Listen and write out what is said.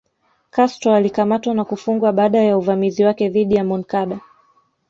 Castro alikamatwa na kufungwa baada ya uvamizi wake dhidi ya Moncada